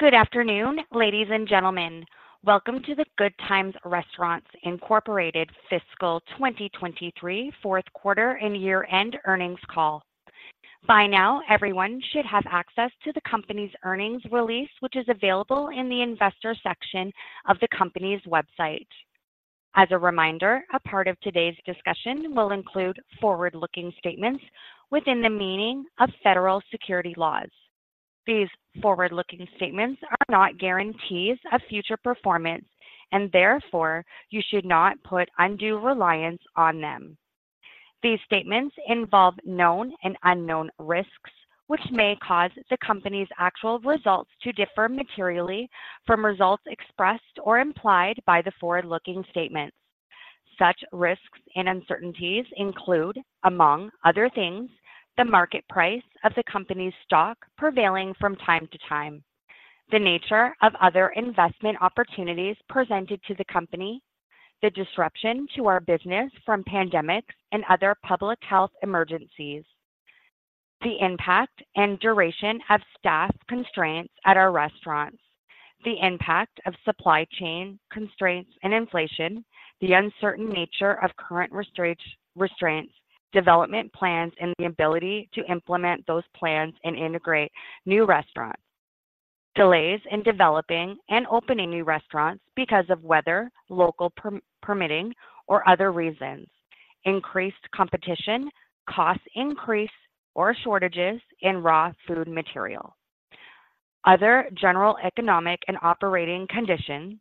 Good afternoon, ladies and gentlemen. Welcome to the Good Times Restaurants Incorporated Fiscal 2023 fourth quarter and year-end earnings call. By now, everyone should have access to the company's earnings release, which is available in the investor section of the company's website. As a reminder, a part of today's discussion will include forward-looking statements within the meaning of federal securities laws. These forward-looking statements are not guarantees of future performance, and therefore, you should not put undue reliance on them. These statements involve known and unknown risks, which may cause the company's actual results to differ materially from results expressed or implied by the forward-looking statements. Such risks and uncertainties include, among other things, the market price of the company's stock prevailing from time to time, the nature of other investment opportunities presented to the company, the disruption to our business from pandemics and other public health emergencies, the impact and duration of staff constraints at our restaurants, the impact of supply chain constraints and inflation, the uncertain nature of current restraints, development plans, and the ability to implement those plans and integrate new restaurants, delays in developing and opening new restaurants because of weather, local permitting or other reasons, increased competition, cost increase or shortages in raw food material. Other general economic and operating condition,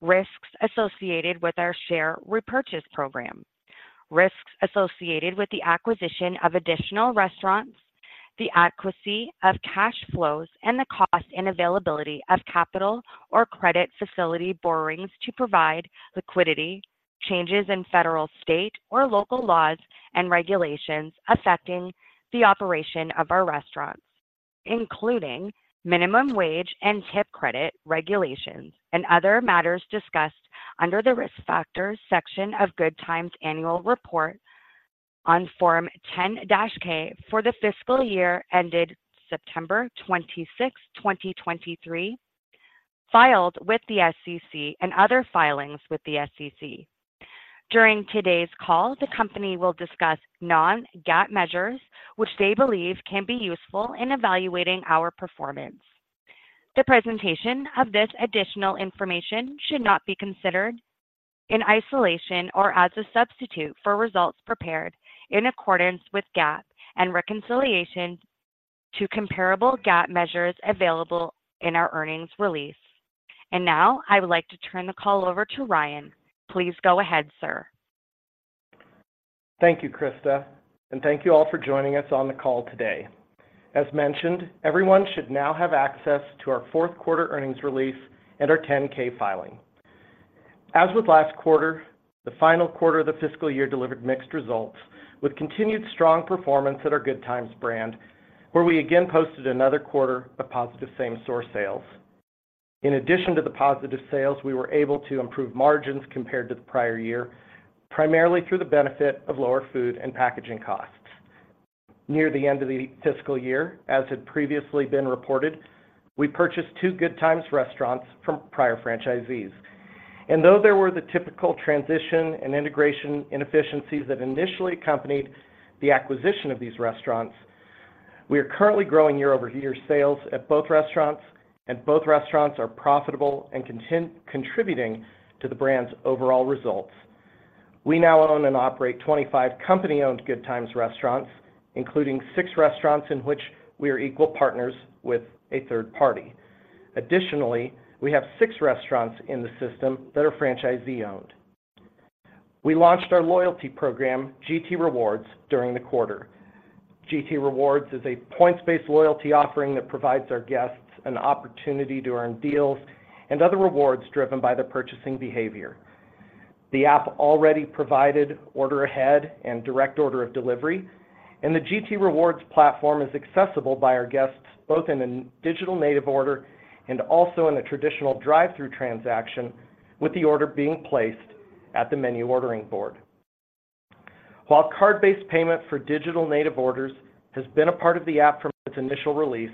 risks associated with our share repurchase program, risks associated with the acquisition of additional restaurants, the adequacy of cash flows and the cost and availability of capital or credit facility borrowings to provide liquidity, changes in federal, state, or local laws and regulations affecting the operation of our restaurants, including minimum wage and tip credit regulations, and other matters discussed under the Risk Factors section of Good Times Annual Report on Form 10-K for the fiscal year ended September 26, 2023, filed with the SEC and other filings with the SEC. During today's call, the company will discuss non-GAAP measures, which they believe can be useful in evaluating our performance. The presentation of this additional information should not be considered in isolation or as a substitute for results prepared in accordance with GAAP and reconciliation to comparable GAAP measures available in our earnings release. And now, I would like to turn the call over to Ryan. Please go ahead, sir. Thank you, Krista, and thank you all for joining us on the call today. As mentioned, everyone should now have access to our fourth quarter earnings release and our 10-K filing. As with last quarter, the final quarter of the fiscal year delivered mixed results, with continued strong performance at our Good Times brand, where we again posted another quarter of positive same-store sales. In addition to the positive sales, we were able to improve margins compared to the prior year, primarily through the benefit of lower food and packaging costs. Near the end of the fiscal year, as had previously been reported, we purchased two Good Times restaurants from prior franchisees. Though there were the typical transition and integration inefficiencies that initially accompanied the acquisition of these restaurants, we are currently growing year-over-year sales at both restaurants, and both restaurants are profitable and contributing to the brand's overall results. We now own and operate 25 company-owned Good Times restaurants, including six restaurants in which we are equal partners with a third party. Additionally, we have six restaurants in the system that are franchisee-owned. We launched our loyalty program, GT Rewards, during the quarter. GT Rewards is a points-based loyalty offering that provides our guests an opportunity to earn deals and other rewards driven by their purchasing behavior. The app already provided order ahead and direct order of delivery, and the GT Rewards platform is accessible by our guests, both in a digital native order and also in a traditional drive-thru transaction, with the order being placed at the menu ordering board. While card-based payment for digital native orders has been a part of the app from its initial release,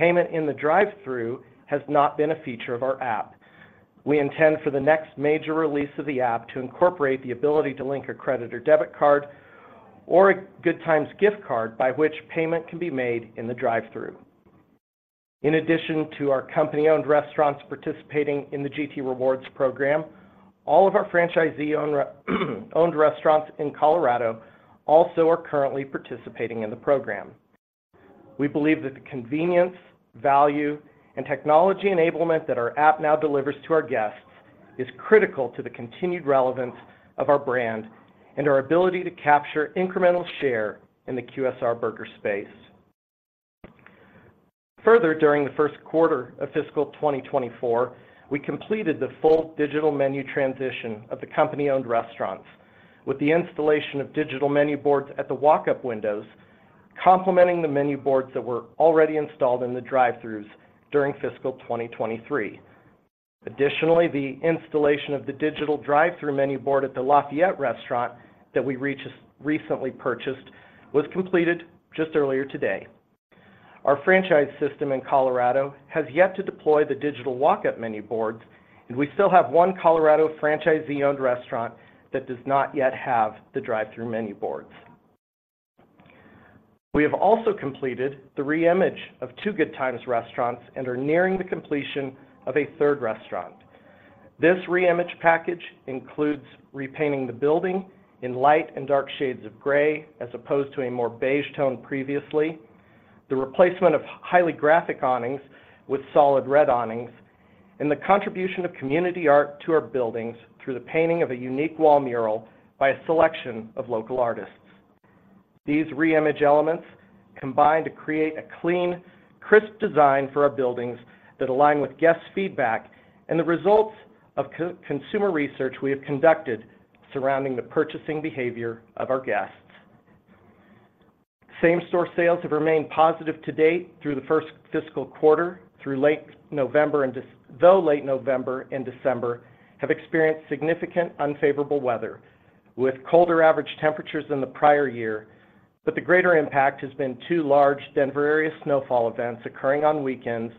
payment in the drive-thru has not been a feature of our app. We intend for the next major release of the app to incorporate the ability to link a credit or debit card or a Good Times gift card by which payment can be made in the drive-thru. In addition to our company-owned restaurants participating in the GT Rewards program, all of our franchisee-owned restaurants in Colorado also are currently participating in the program. We believe that the convenience, value, and technology enablement that our app now delivers to our guests is critical to the continued relevance of our brand and our ability to capture incremental share in the QSR burger space. Further, during the first quarter of fiscal 2024, we completed the full digital menu transition of the company-owned restaurants, with the installation of digital menu boards at the walk-up windows, complementing the menu boards that were already installed in the drive-thrus during fiscal 2023. Additionally, the installation of the digital drive-thru menu board at the Lafayette restaurant that we recently purchased was completed just earlier today. Our franchise system in Colorado has yet to deploy the digital walk-up menu boards, and we still have 1 Colorado franchisee-owned restaurant that does not yet have the drive-thru menu boards. We have also completed the reimage of two Good Times restaurants and are nearing the completion of a third restaurant. This reimage package includes repainting the building in light and dark shades of gray, as opposed to a more beige tone previously, the replacement of highly graphic awnings with solid red awnings, and the contribution of community art to our buildings through the painting of a unique wall mural by a selection of local artists. These reimage elements combine to create a clean, crisp design for our buildings that align with guest feedback and the results of core consumer research we have conducted surrounding the purchasing behavior of our guests. Same-Store Sales have remained positive to date through the first fiscal quarter, through late November and December, though late November and December have experienced significant unfavorable weather, with colder average temperatures than the prior year. But the greater impact has been two large Denver-area snowfall events occurring on weekends,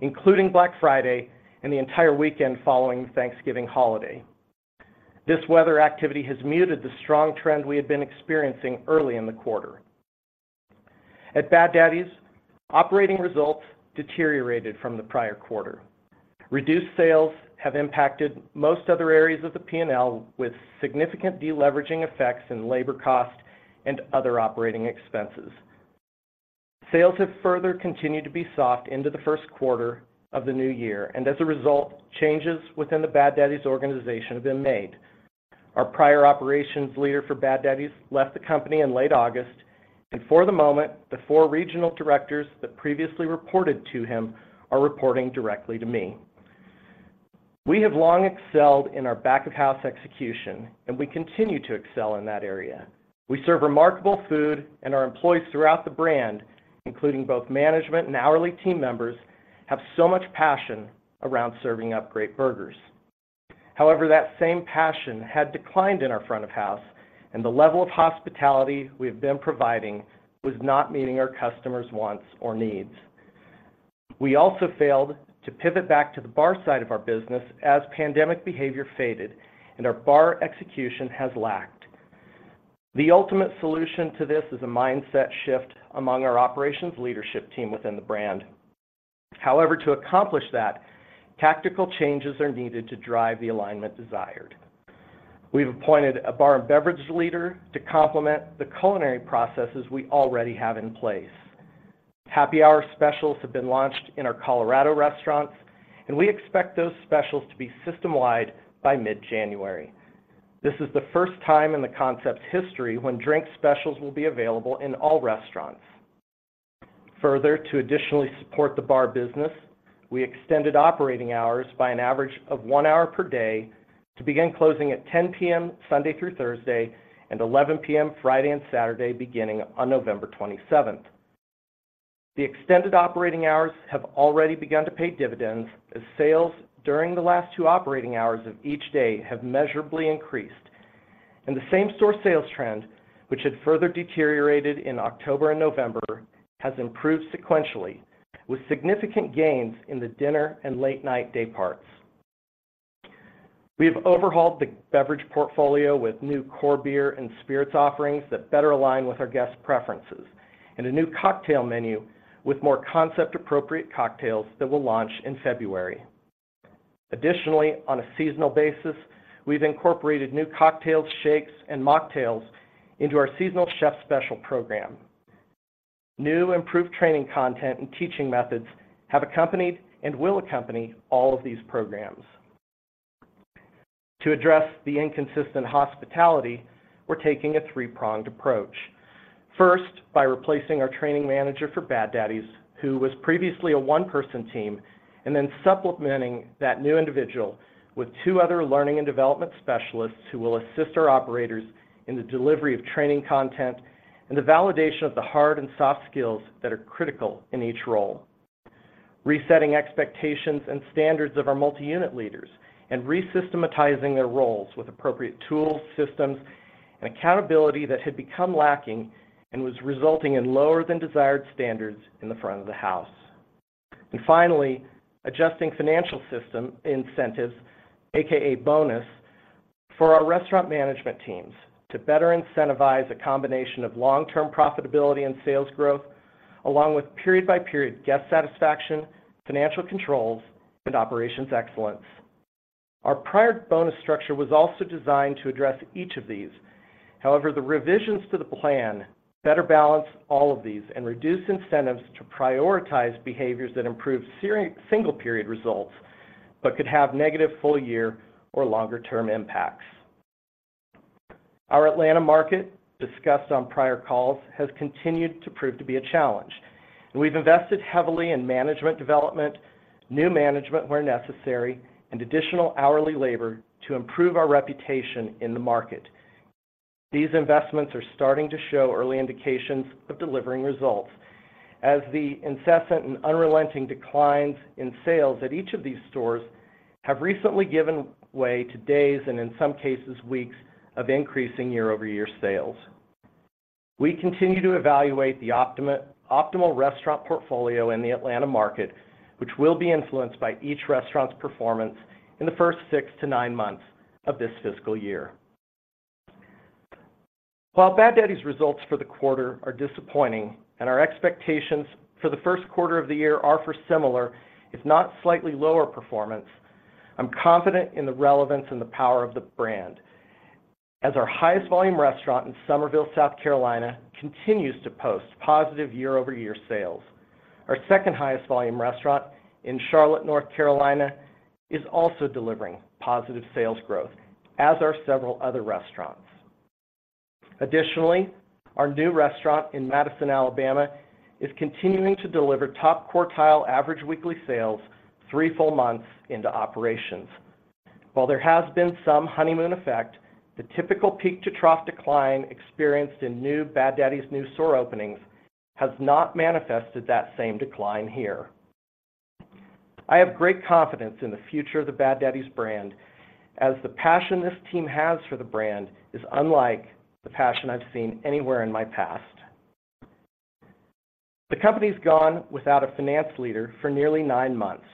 including Black Friday and the entire weekend following the Thanksgiving holiday. This weather activity has muted the strong trend we had been experiencing early in the quarter. At Bad Daddy's, operating results deteriorated from the prior quarter. Reduced sales have impacted most other areas of the P&L, with significant deleveraging effects in labor cost and other operating expenses. Sales have further continued to be soft into the first quarter of the new year, and as a result, changes within the Bad Daddy's organization have been made. Our prior operations leader for Bad Daddy's left the company in late August, and for the moment, the four regional directors that previously reported to him are reporting directly to me. We have long excelled in our back-of-house execution, and we continue to excel in that area. We serve remarkable food, and our employees throughout the brand, including both management and hourly team members, have so much passion around serving up great burgers. However, that same passion had declined in our front of house, and the level of hospitality we have been providing was not meeting our customers' wants or needs. We also failed to pivot back to the bar side of our business as pandemic behavior faded, and our bar execution has lacked. The ultimate solution to this is a mindset shift among our operations leadership team within the brand. However, to accomplish that, tactical changes are needed to drive the alignment desired. We've appointed a bar and beverage leader to complement the culinary processes we already have in place. Happy hour specials have been launched in our Colorado restaurants, and we expect those specials to be system-wide by mid-January. This is the first time in the concept's history when drink specials will be available in all restaurants. Further, to additionally support the bar business, we extended operating hours by an average of 1 hour per day to begin closing at 10 P.M., Sunday through Thursday, and 11 P.M., Friday and Saturday, beginning on November 27. The extended operating hours have already begun to pay dividends, as sales during the last 2 operating hours of each day have measurably increased. The same-store sales trend, which had further deteriorated in October and November, has improved sequentially, with significant gains in the dinner and late-night day parts. We have overhauled the beverage portfolio with new core beer and spirits offerings that better align with our guests' preferences, and a new cocktail menu with more concept-appropriate cocktails that will launch in February. Additionally, on a seasonal basis, we've incorporated new cocktails, shakes, and mocktails into our seasonal Chef Special program. New improved training content and teaching methods have accompanied and will accompany all of these programs. To address the inconsistent hospitality, we're taking a three-pronged approach. First, by replacing our training manager for Bad Daddy's, who was previously a one-person team, and then supplementing that new individual with two other learning and development specialists who will assist our operators in the delivery of training content and the validation of the hard and soft skills that are critical in each role. Resetting expectations and standards of our multi-unit leaders and re-systematizing their roles with appropriate tools, systems, and accountability that had become lacking and was resulting in lower than desired standards in the front of the house. And finally, adjusting financial system incentives, AKA bonus, for our restaurant management teams to better incentivize a combination of long-term profitability and sales growth, along with period-by-period guest satisfaction, financial controls, and operations excellence. Our prior bonus structure was also designed to address each of these. However, the revisions to the plan better balance all of these and reduce incentives to prioritize behaviors that improve single-period results, but could have negative full-year or longer-term impacts. Our Atlanta market, discussed on prior calls, has continued to prove to be a challenge, and we've invested heavily in management development, new management where necessary, and additional hourly labor to improve our reputation in the market. These investments are starting to show early indications of delivering results, as the incessant and unrelenting declines in sales at each of these stores have recently given way to days, and in some cases, weeks of increasing year-over-year sales. We continue to evaluate the optimal, optimal restaurant portfolio in the Atlanta market, which will be influenced by each restaurant's performance in the first 6-9 months of this fiscal year. While Bad Daddy's results for the quarter are disappointing, and our expectations for the first quarter of the year are for similar, if not slightly lower performance, I'm confident in the relevance and the power of the brand. As our highest volume restaurant in Summerville, South Carolina, continues to post positive year-over-year sales. Our second highest volume restaurant in Charlotte, North Carolina, is also delivering positive sales growth, as are several other restaurants. Additionally, our new restaurant in Madison, Alabama, is continuing to deliver top-quartile average weekly sales 3 full months into operations. While there has been some honeymoon effect, the typical peak-to-trough decline experienced in new Bad Daddy's new store openings has not manifested that same decline here. I have great confidence in the future of the Bad Daddy's brand, as the passion this team has for the brand is unlike the passion I've seen anywhere in my past. The company's gone without a finance leader for nearly 9 months,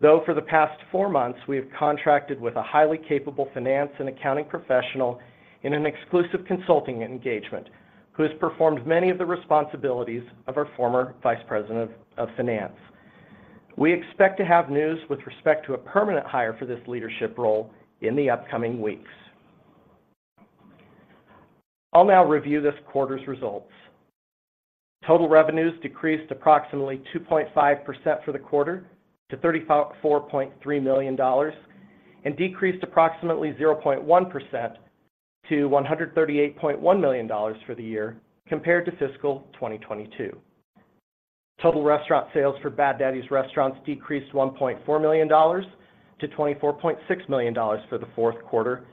though for the past 4 months, we have contracted with a highly capable finance and accounting professional in an exclusive consulting engagement, who has performed many of the responsibilities of our former Vice President of Finance. We expect to have news with respect to a permanent hire for this leadership role in the upcoming weeks. I'll now review this quarter's results. Total revenues decreased approximately 2.5% for the quarter to $34.3 million, and decreased approximately 0.1% to $138.1 million for the year, compared to fiscal 2022. Total restaurant sales for Bad Daddy's restaurants decreased $1.4 million to $24.6 million for the fourth quarter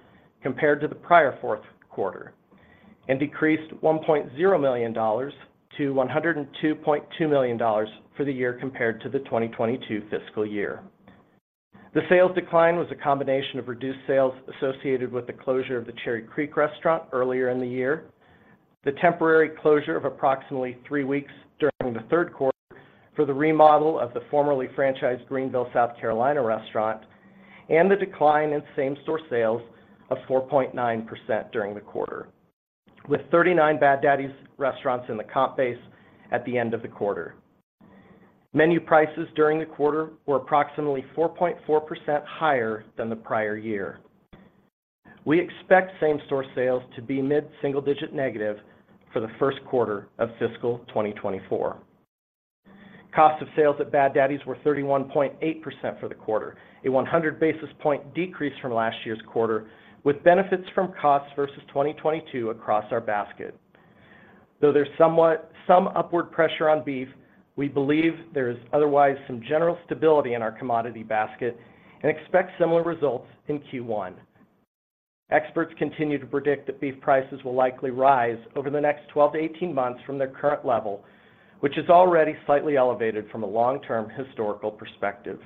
compared to the prior fourth quarter, and decreased $1.0 million to $102.2 million for the year compared to the 2022 fiscal year. The sales decline was a combination of reduced sales associated with the closure of the Cherry Creek restaurant earlier in the year, the temporary closure of approximately three weeks during the third quarter for the remodel of the formerly franchised Greenville, South Carolina, restaurant, and the decline in same-store sales of 4.9% during the quarter, with 39 Bad Daddy's restaurants in the comp base at the end of the quarter. Menu prices during the quarter were approximately 4.4% higher than the prior year. We expect same-store sales to be mid-single-digit negative for the first quarter of fiscal 2024. Cost of sales at Bad Daddy's were 31.8% for the quarter, a 100 basis point decrease from last year's quarter, with benefits from costs versus 2022 across our basket. Though there's somewhat upward pressure on beef, we believe there's otherwise some general stability in our commodity basket and expect similar results in Q1. Experts continue to predict that beef prices will likely rise over the next 12-18 months from their current level, which is already slightly elevated from a long-term historical perspective.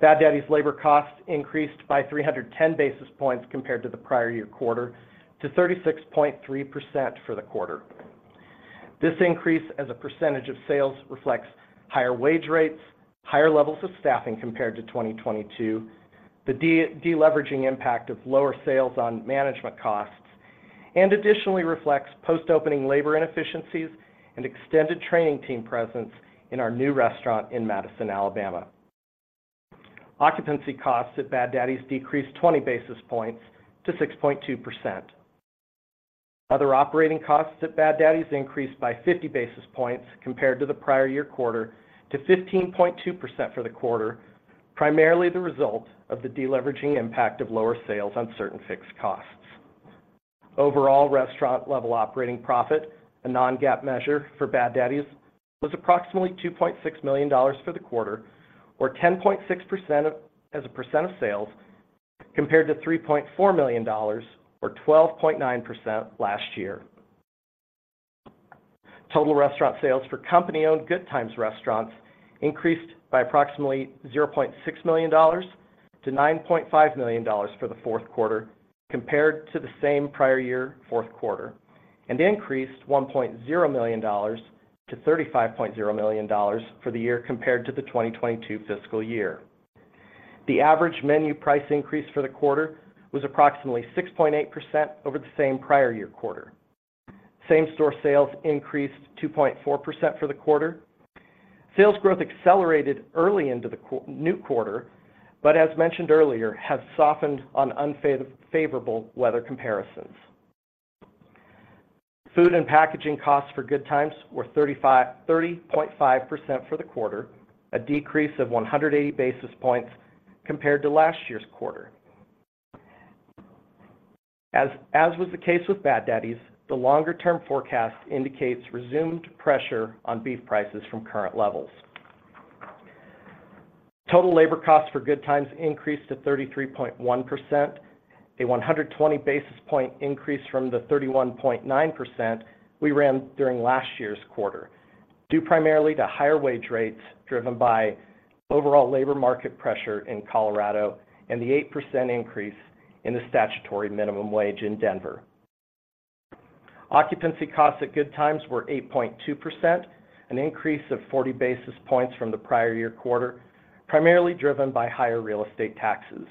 Bad Daddy's labor costs increased by 310 basis points compared to the prior year quarter to 36.3% for the quarter. This increase as a percentage of sales reflects higher wage rates, higher levels of staffing compared to 2022, the deleveraging impact of lower sales on management costs, and additionally reflects post-opening labor inefficiencies and extended training team presence in our new restaurant in Madison, Alabama. Occupancy costs at Bad Daddy's decreased 20 basis points to 6.2%. Other operating costs at Bad Daddy's increased by 50 basis points compared to the prior year quarter, to 15.2 for the quarter, primarily the result of the deleveraging impact of lower sales on certain fixed costs. Overall, restaurant-level operating profit, a non-GAAP measure for Bad Daddy's, was approximately $2.6 million for the quarter, or 10.6% of... as a percent of sales, compared to $3.4 million, or 12.9% last year. Total restaurant sales for company-owned Good Times Restaurants increased by approximately $0.6 million to $9.5 million for the fourth quarter, compared to the same prior year fourth quarter, and increased $1.0 million to $35.0 million for the year compared to the 2022 fiscal year. The average menu price increase for the quarter was approximately 6.8% over the same prior year quarter. Same-store sales increased 2.4% for the quarter. Sales growth accelerated early into the new quarter, but as mentioned earlier, has softened on unfavorable weather comparisons. Food and packaging costs for Good Times were 30.5 for the quarter, a decrease of 180 basis points compared to last year's quarter. As was the case with Bad Daddy's, the longer-term forecast indicates resumed pressure on beef prices from current levels. Total labor costs for Good Times increased to 33.1%, a 120 basis point increase from the 31.9% we ran during last year's quarter, due primarily to higher wage rates driven by overall labor market pressure in Colorado and the 8% increase in the statutory minimum wage in Denver. Occupancy costs at Good Times were 8.2%, an increase of 40 basis points from the prior year quarter, primarily driven by higher real estate taxes.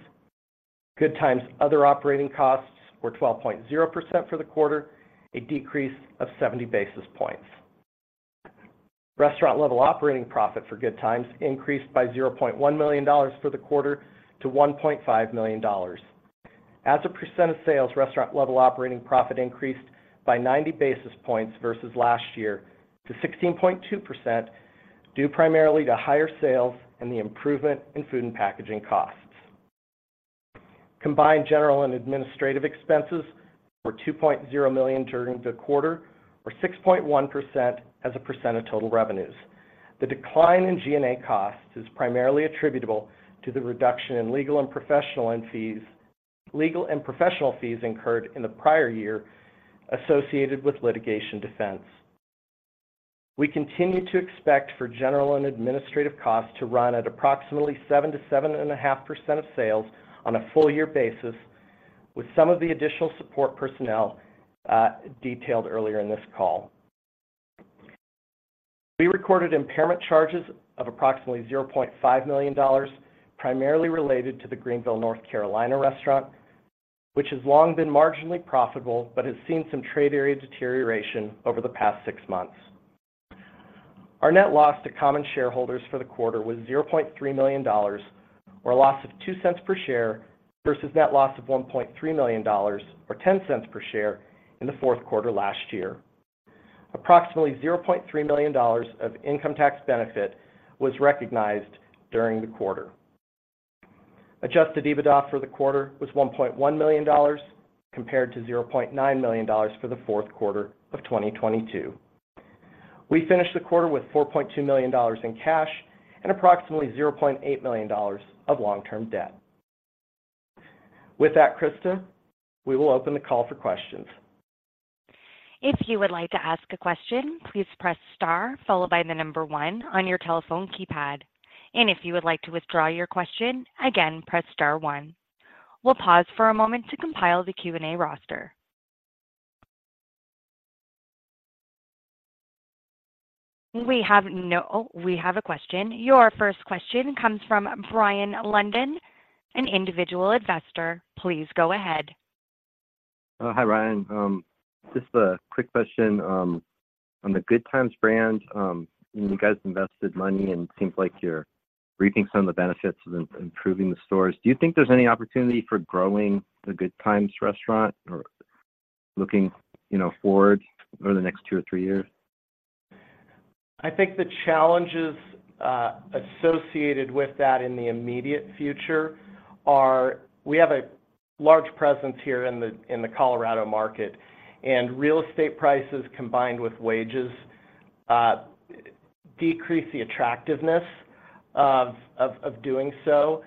Good Times' other operating costs were 12.0% for the quarter, a decrease of 70 basis points. Restaurant-level operating profit for Good Times increased by $0.1 million for the quarter to $1.5 million. As a percent of sales, restaurant-level operating profit increased by 90 basis points versus last year to 16.2%, due primarily to higher sales and the improvement in food and packaging costs. Combined general and administrative expenses were $2.0 million during the quarter, or 6.1% as a percent of total revenues. The decline in G&A costs is primarily attributable to the reduction in legal and professional fees incurred in the prior year associated with litigation defense. We continue to expect for general and administrative costs to run at approximately 7%-7.5% of sales on a full year basis, with some of the additional support personnel detailed earlier in this call. We recorded impairment charges of approximately $0.5 million, primarily related to the Greenville, North Carolina restaurant, which has long been marginally profitable, but has seen some trade area deterioration over the past six months. Our net loss to common shareholders for the quarter was $0.3 million, or a loss of $0.02 per share, versus net loss of $1.3 million, or $0.10 per share, in the fourth quarter last year. Approximately $0.3 million of income tax benefit was recognized during the quarter. Adjusted EBITDA for the quarter was $1.1 million, compared to $0.9 million for the fourth quarter of 2022. We finished the quarter with $4.2 million in cash and approximately $0.8 million of long-term debt. With that, Krista, we will open the call for questions. If you would like to ask a question, please press star followed by the number one on your telephone keypad. If you would like to withdraw your question, again, press star one. We'll pause for a moment to compile the Q&A roster. Oh, we have a question. Your first question comes from Brian Lunden, an individual investor. Please go ahead. Oh, hi, Ryan. Just a quick question on the Good Times brand. You guys invested money, and it seems like you're reaping some of the benefits of improving the stores. Do you think there's any opportunity for growing the Good Times restaurant or looking, you know, forward over the next two or three years? I think the challenges associated with that in the immediate future are we have a large presence here in the Colorado market, and real estate prices, combined with wages, decrease the attractiveness of doing so.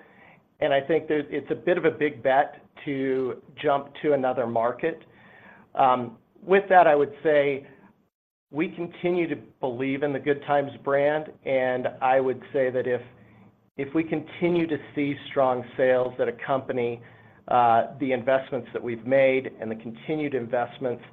I think it's a bit of a big bet to jump to another market. With that, I would say we continue to believe in the Good Times brand, and I would say that if we continue to see strong sales that accompany the investments that we've made and the continued investments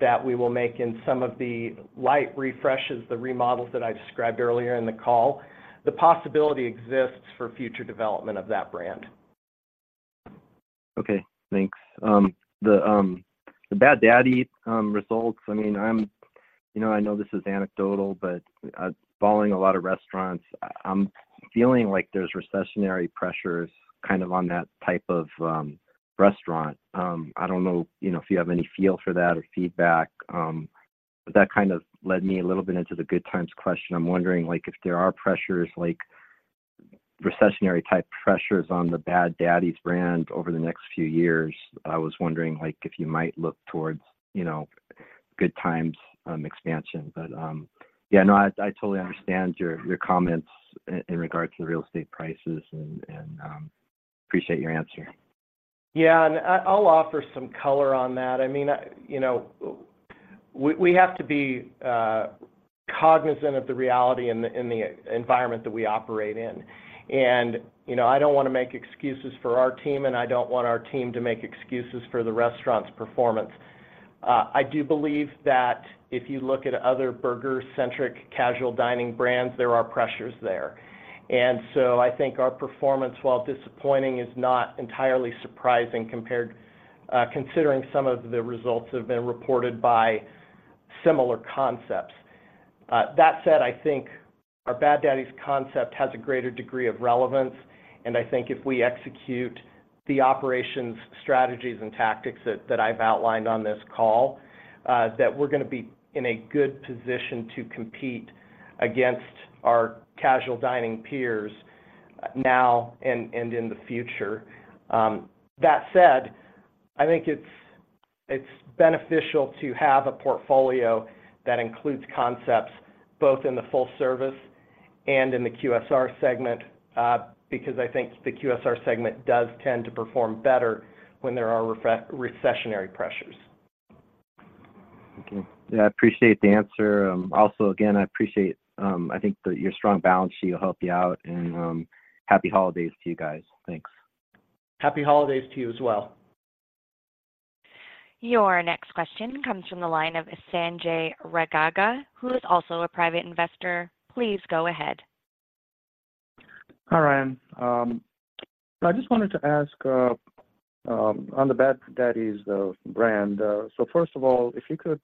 that we will make in some of the light refreshes, the remodels that I described earlier in the call, the possibility exists for future development of that brand. Okay, thanks. The Bad Daddy's results, I mean, I'm, you know, I know this is anecdotal, but, following a lot of restaurants, I'm feeling like there's recessionary pressures kind of on that type of restaurant. I don't know, you know, if you have any feel for that or feedback, but that kind of led me a little bit into the Good Times question. I'm wondering, like, if there are pressures, like recessionary-type pressures on the Bad Daddy's brand over the next few years. I was wondering, like, if you might look towards, you know, Good Times expansion. But, yeah, no, I totally understand your comments in regards to the real estate prices and, appreciate your answer. Yeah, and I'll offer some color on that. I mean, you know, we have to be cognizant of the reality in the environment that we operate in. And, you know, I don't wanna make excuses for our team, and I don't want our team to make excuses for the restaurant's performance. I do believe that if you look at other burger-centric, casual dining brands, there are pressures there. And so I think our performance, while disappointing, is not entirely surprising compared, considering some of the results that have been reported by similar concepts. That said, I think our Bad Daddy's concept has a greater degree of relevance, and I think if we execute the operations, strategies, and tactics that I've outlined on this call, that we're gonna be in a good position to compete against our casual dining peers now and in the future. That said, I think it's beneficial to have a portfolio that includes concepts both in the full service and in the QSR segment, because I think the QSR segment does tend to perform better when there are recessionary pressures. Okay. Yeah, I appreciate the answer. Also, again, I appreciate, I think that your strong balance sheet will help you out, and, happy holidays to you guys. Thanks. Happy holidays to you as well. Your next question comes from the line of Sanjay Raigaga, who is also a private investor. Please go ahead. All right. I just wanted to ask on the Bad Daddy's brand. So first of all, if you could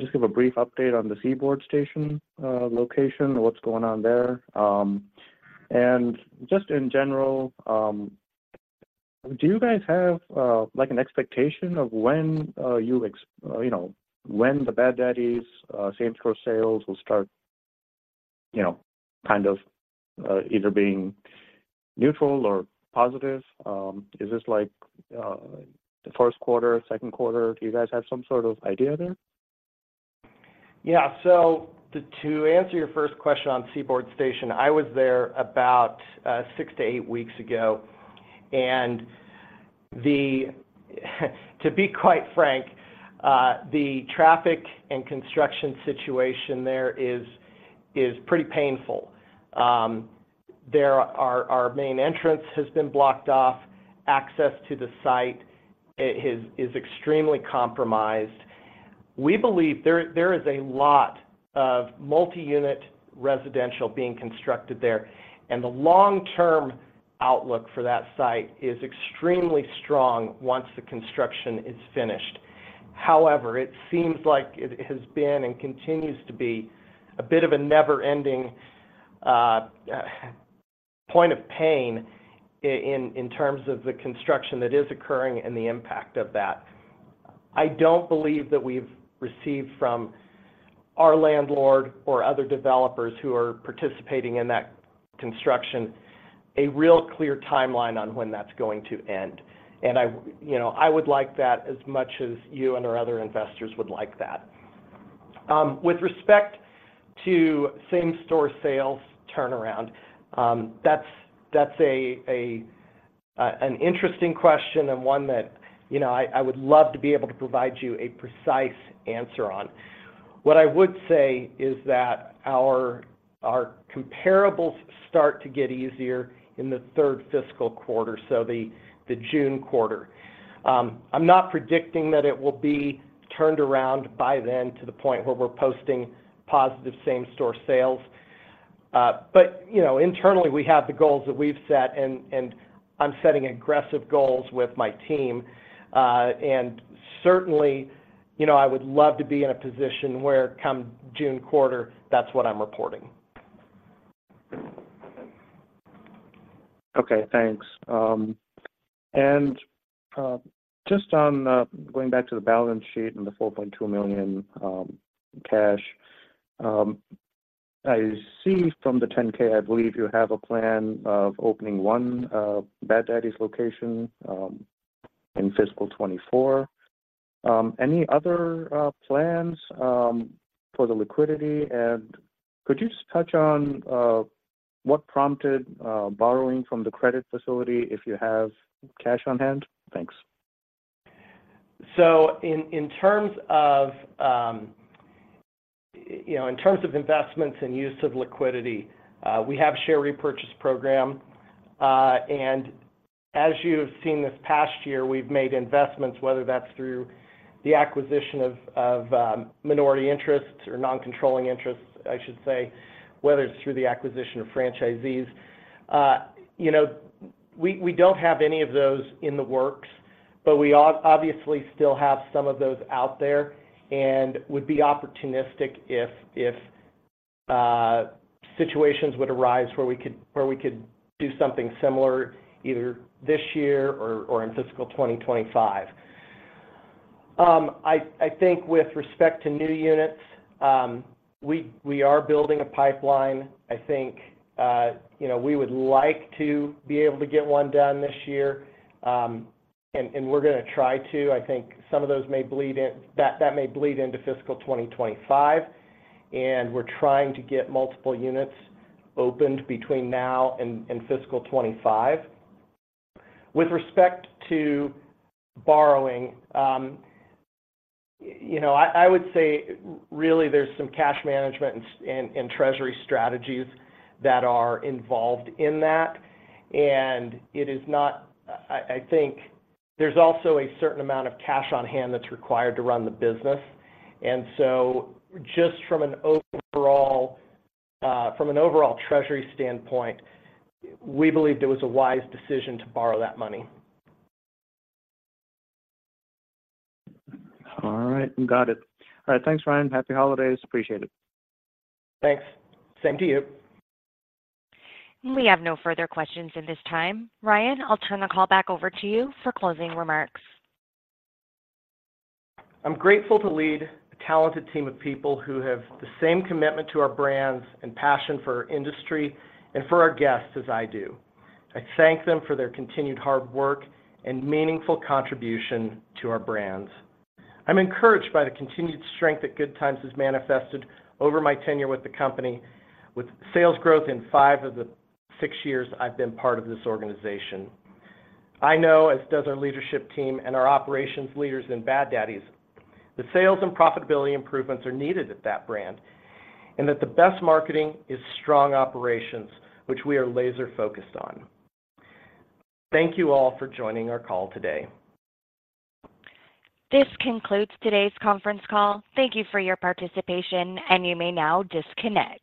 just give a brief update on the Seaboard Station location, what's going on there? And just in general, do you guys have like an expectation of when you know when the Bad Daddy's same-store sales will start you know kind of either being neutral or positive? Is this like the first quarter, second quarter? Do you guys have some sort of idea there? Yeah. So to answer your first question on Seaboard Station, I was there about 6-8 weeks ago, and to be quite frank, the traffic and construction situation there is pretty painful. There are. Our main entrance has been blocked off. Access to the site is extremely compromised. We believe there is a lot of multi-unit residential being constructed there, and the long-term outlook for that site is extremely strong once the construction is finished. However, it seems like it has been and continues to be a bit of a never-ending point of pain in terms of the construction that is occurring and the impact of that. I don't believe that we've received from our landlord or other developers who are participating in that construction a real clear timeline on when that's going to end. I, you know, I would like that as much as you and our other investors would like that. With respect to same-store sales turnaround, that's an interesting question and one that, you know, I would love to be able to provide you a precise answer on. What I would say is that our comparables start to get easier in the third fiscal quarter, so the June quarter. I'm not predicting that it will be turned around by then to the point where we're posting positive same-store sales. But, you know, internally, we have the goals that we've set, and I'm setting aggressive goals with my team. And certainly, you know, I would love to be in a position where come June quarter, that's what I'm reporting. Okay, thanks. Just on going back to the balance sheet and the $4.2 million cash, I see from the 10-K, I believe you have a plan of opening one Bad Daddy's location in fiscal 2024. Any other plans for the liquidity? Could you just touch on what prompted borrowing from the credit facility if you have cash on hand? Thanks. So in terms of, you know, in terms of investments and use of liquidity, we have share repurchase program. And as you have seen this past year, we've made investments, whether that's through the acquisition of minority interests or non-controlling interests, I should say, whether it's through the acquisition of franchisees. You know, we don't have any of those in the works, but we obviously still have some of those out there and would be opportunistic if situations would arise where we could do something similar, either this year or in fiscal 2025. I think with respect to new units, we are building a pipeline. I think, you know, we would like to be able to get one done this year, and we're gonna try to. I think some of those may bleed in. That may bleed into fiscal 2025, and we're trying to get multiple units opened between now and fiscal 2025. With respect to borrowing, you know, I would say really there's some cash management and treasury strategies that are involved in that, and it is not—I think there's also a certain amount of cash on hand that's required to run the business. And so just from an overall treasury standpoint, we believed it was a wise decision to borrow that money. All right, got it. All right. Thanks, Ryan. Happy holidays. Appreciate it. Thanks. Same to you. We have no further questions at this time. Ryan, I'll turn the call back over to you for closing remarks. I'm grateful to lead a talented team of people who have the same commitment to our brands and passion for our industry and for our guests as I do. I thank them for their continued hard work and meaningful contribution to our brands. I'm encouraged by the continued strength that Good Times has manifested over my tenure with the company, with sales growth in five of the six years I've been part of this organization. I know, as does our leadership team and our operations leaders in Bad Daddy's, the sales and profitability improvements are needed at that brand, and that the best marketing is strong operations, which we are laser focused on. Thank you all for joining our call today. This concludes today's conference call. Thank you for your participation, and you may now disconnect.